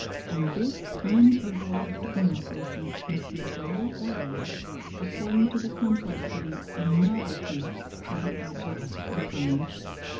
And this unavoidable inaccuracy must be greater or less, according to the complexity and novelty of the objects defined.